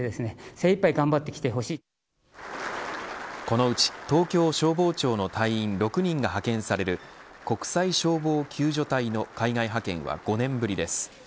このうち、東京消防庁の隊員６人が派遣される国際消防救助隊の海外派遣は５年ぶりです。